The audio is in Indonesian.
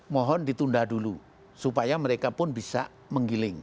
mohon ditunda dulu supaya mereka pun bisa menggiling